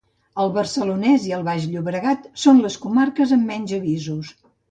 El Barcelonès i el Baix Llobregat són les comarques amb menys avisos.